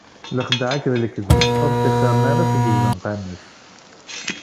Lexdeɛ akked lekdeb ur ttixxiṛen ara seg izenqan-is.